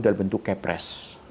sudah bentuk kepres